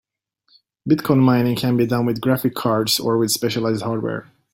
Bitcoin mining can be done with graphic cards or with specialized hardware.